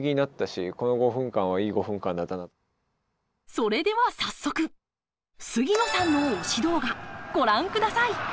それでは早速杉野さんの推し動画ご覧ください！